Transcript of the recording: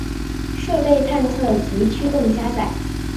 设备探测及驱动加载